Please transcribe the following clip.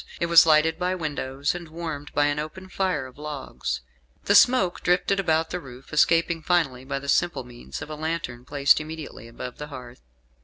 It was lighted by windows, and warmed by an open fire of logs. The smoke drifted about the roof, escaping finally by the simple means of a lantern placed immediately above the hearth.